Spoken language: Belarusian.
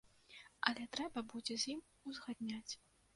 Але трэба будзе з ім узгадняць.